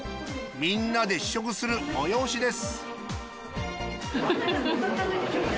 みんなで試食する催しです